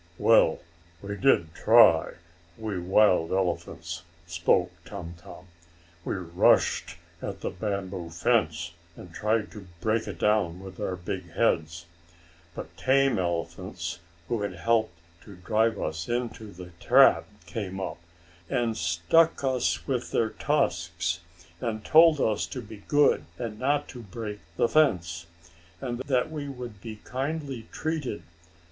"Well, we did try we wild elephants," spoke Tum Tum. "We rushed at the bamboo fence, and tried to break it down with our big heads. But tame elephants, who had helped to drive us into the trap, came up, and struck us with their trunks, and stuck us with their tusks, and told us to be good, and not to break the fence, and that we would be kindly treated.